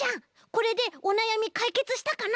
これでおなやみかいけつしたかな？